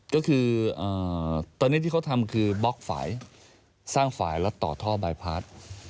ก็คือตอนนี้ที่เขาทำคือบล็อกฝ่ายสร้างฝ่ายและต่อท่อบายพาร์ท